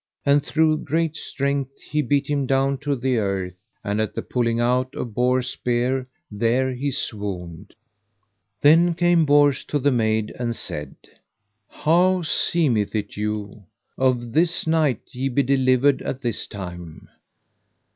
And through great strength he beat him down to the earth, and at the pulling out of Bors' spear there he swooned. Then came Bors to the maid and said: How seemeth it you? of this knight ye be delivered at this time.